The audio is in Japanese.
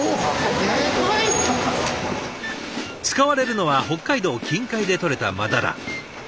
使われるのは北海道近海で取れた真鱈。